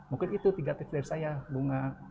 mungkin itu tiga tips dari saya bunga